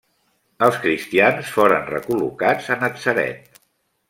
Els cristians foren recol·locats a Natzaret.